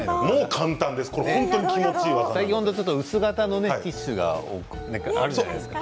最近、薄型のティッシュがあるじゃないですか。